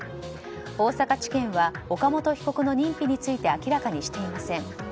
大阪地検は岡本被告の認否について明らかにしていません。